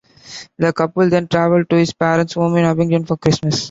The couple then travelled to his parents' home in Abington for Christmas.